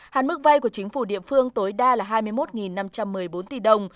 hạn mức vay của chính phủ địa phương tối đa là hai mươi một năm trăm một mươi bốn tỷ đồng